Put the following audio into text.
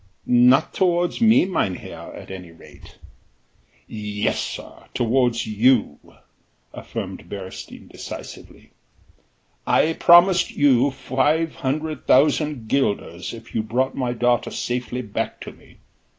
"Not towards me, mynheer, at any rate." "Yes, sir, towards you," affirmed Beresteyn decisively. "I promised you five hundred thousand guilders if you brought my daughter safely back to me.